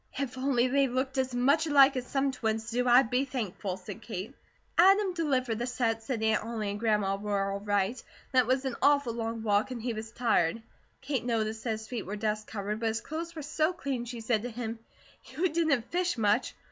"If only they looked as much alike as some twins do, I'd be thankful," said Kate. Adam delivered the sets, said Aunt Ollie and Grandma were all right, that it was an awful long walk, and he was tired. Kate noticed that his feet were dust covered, but his clothes were so clean she said to him: "You didn't fish much."